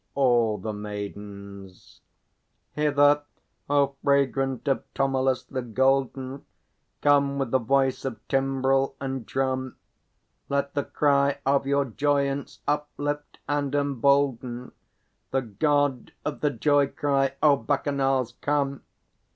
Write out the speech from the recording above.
All the Maidens. Hither, O fragrant of Tmolus the Golden, Come with the voice of timbrel and drum; Let the cry of your joyance uplift and embolden The God of the joy cry; O Bacchanals, come!